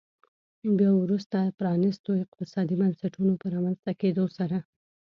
بیا وروسته پرانیستو اقتصادي بنسټونو په رامنځته کېدو سره.